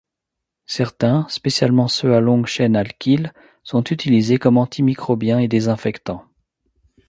Certains, spécialement ceux à longue chaîne alkyle, sont utilisés comme antimicrobiens et désinfectants.